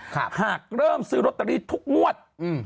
ถ้าเริ่มซื้อรตรีทุกมวด